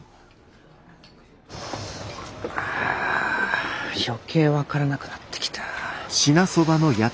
あ余計分からなくなってきた。